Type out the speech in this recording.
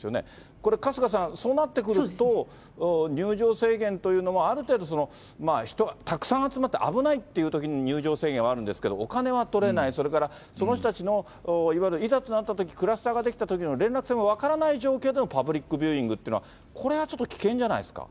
これ、春日さん、そうなってくると、入場制限というのもある程度、人がたくさん集まって危ないってときに入場制限はあるんですけど、お金は取れない、それからその人たちのいわゆるいざとなったとき、クラスターが出来たときの連絡先も分からない状況でのパブリックビューイングっていうのはこれはちょっと危険じゃないですか。